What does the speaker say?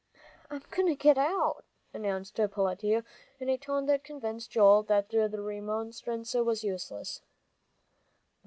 "I'm goin' to get out," announced Peletiah, in a tone that convinced Joel that remonstrance was useless.